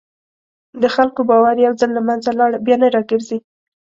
د خلکو باور یو ځل له منځه لاړ، بیا نه راګرځي.